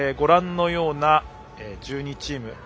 ご覧のような１２チーム。